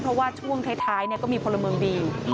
เพราะว่าช่วงท้ายก็มีพลเมืองดี